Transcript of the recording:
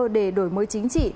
để đổi mới chính trị